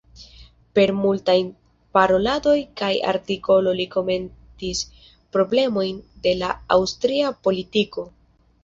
Per multaj paroladoj kaj artikolo li komentis problemojn de la aŭstria politiko.